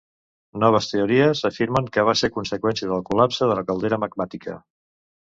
Noves teories afirmen que va ser conseqüència del col·lapse de la caldera magmàtica.